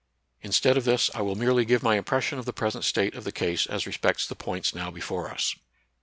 Instead of this, I will merely give my impression of the present state of the case as respects the points now before us.